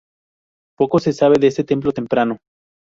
Poco se sabe de este templo temprano.